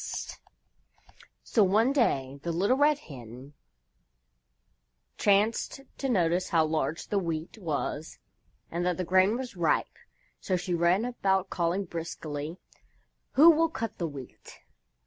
So one day the Little Red Hen chanced to notice how large the Wheat was and that the grain was ripe, so she ran about calling briskly: "Who will cut the Wheat?"